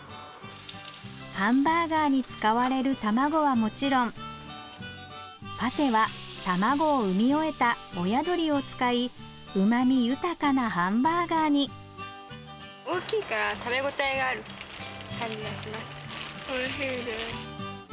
ハンバーガーに使われる卵はもちろんパテは卵を産み終えた親鶏を使いうま味豊かなハンバーガーに感じがします。